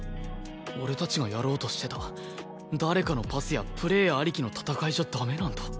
俺たちがやろうとしてた誰かのパスやプレーありきの戦いじゃ駄目なんだ。